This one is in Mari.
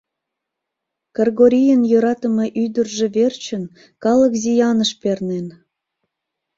Кыргорийын йӧратыме ӱдыржӧ верчын калык зияныш пернен.